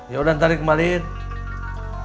ya udah ntar dikembalikan